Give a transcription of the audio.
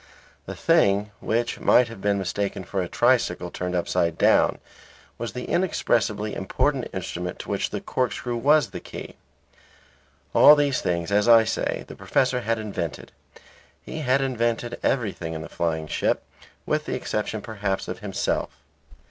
The thing which might have been mistaken for a tricycle turned upside down was the inexpressibly important instrument to which the corkscrew was the key. All these things, as I say, the professor had invented; he had invented everything in the flying ship, with the exception, perhaps, of himself.